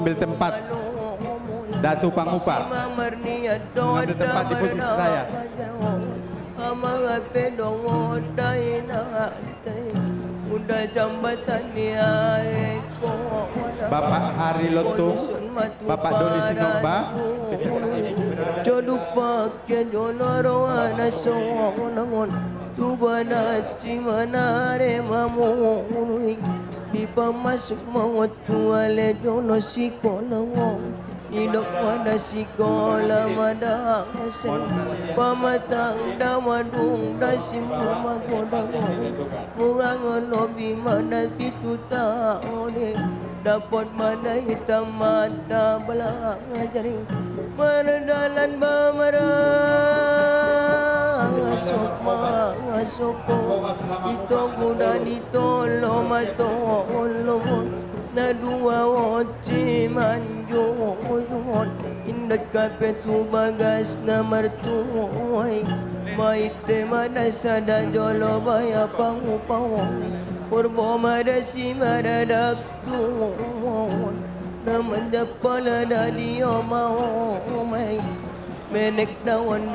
ibu ibu hanipah